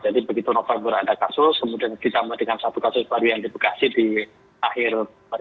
jadi begitu november ada kasus kemudian kita menemukan satu kasus baru yang dibekasi di akhir dua ribu dua puluh dua